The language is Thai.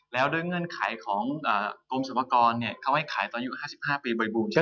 แล้วด้วยเงื่อนขายของกรมสรรพากรเนี่ยเขาให้ขายตอน๕๕ปีบ่อยบุญ